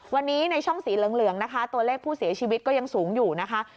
วันนี้ในช่องสีเหลืองนะคะตัวเลขผู้เสียชีวิตก็ยังสูงอยู่นะคะ